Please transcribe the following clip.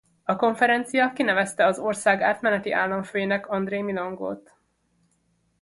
A Konferencia kinevezte az ország átmeneti államfőjének André Milongo-t.